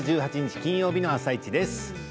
金曜日の「あさイチ」です。